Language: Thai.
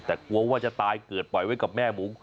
แต่กลัวว่าจะตายเกิดปล่อยไว้กับแม่หมู